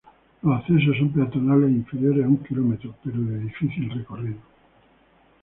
Los accesos son peatonales e inferiores a un km pero de difícil recorrido.